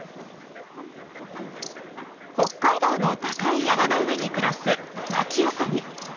北海道の高い山の上に暮らすナキウサギ。